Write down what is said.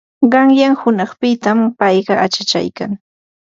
Qayna hunanpitam payqa achachaykan.